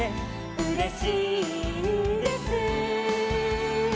「うれしいんです」